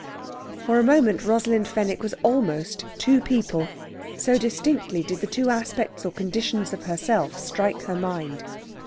For a moment Rosalind Fenwick was almost two people, so distinctly did the two aspects or conditions of herself strike her mind.